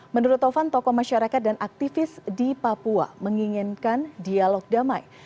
menurut taufan tokoh masyarakat dan aktivis di papua menginginkan dialog damai